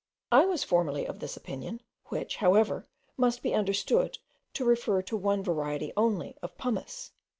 I was formerly of this opinion, which, however, must be understood to refer to one variety only of pumice.